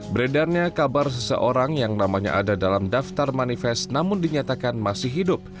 beredarnya kabar seseorang yang namanya ada dalam daftar manifest namun dinyatakan masih hidup